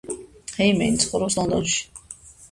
ჰეიმენი ცხოვრობს ლონდონში.